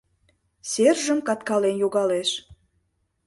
Сержым каткален йогалеш.